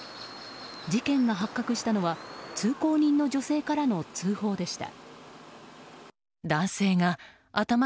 事件が発覚したのは通行人の女性からの通報でした。